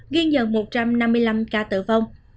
ghi nhận một trăm năm mươi năm ca tử vong